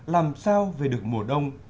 làm sao về được mùa đông